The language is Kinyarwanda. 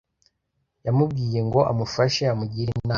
yamubwiye ngo amufashe amugire inama